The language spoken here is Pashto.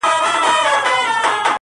o دا سودا سوه پر احسان چي احسان وینم,